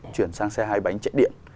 chuyển sang xe hai bánh chạy điện